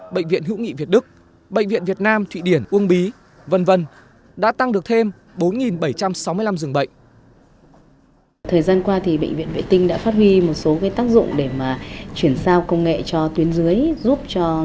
bệnh viện hữu nghị việt đức bệnh viện việt nam thụy điển uông bí v v đã tăng được thêm bốn bảy trăm sáu mươi năm dường bệnh